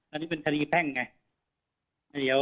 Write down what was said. อันนี้เป็นคดีแพ่งไง